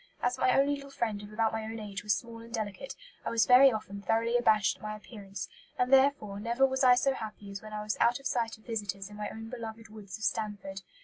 As my only little friend of about my own age was small and delicate, I was very often thoroughly abashed at my appearance; and therefore never was I so happy as when I was out of sight of visitors in my own beloved woods of Stanford.